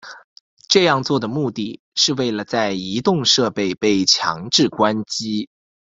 这样做的目的是为了在移动设备被强制关机。